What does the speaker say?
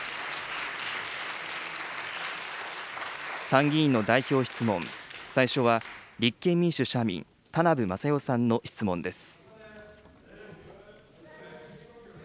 参議院の代表質問、最初は立憲民主・社民、田名部匡代さんの質問です。